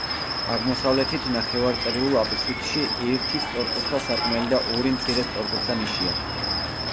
აღმოსავლეთით, ნახევარწრიულ აბსიდში, ერთი სწორკუთხა სარკმელი და ორი მცირე სწორკუთხა ნიშია.